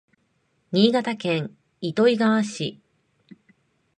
新潟県糸魚川市